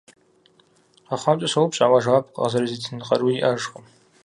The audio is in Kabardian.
КъэхъуамкӀэ соупщӀ, ауэ жэуап къызэрызитын къаруи иӀэжкъым.